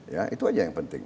ya itu aja yang penting